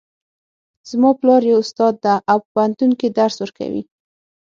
زما پلار یو استاد ده او په پوهنتون کې درس ورکوي